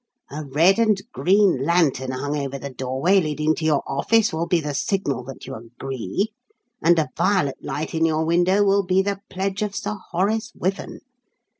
A red and green lantern hung over the doorway leading to your office will be the signal that you agree, and a violet light in your window will be the pledge of Sir Horace Wyvern.